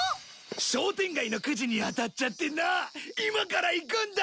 商店街のくじに当たっちゃってな今から行くんだ！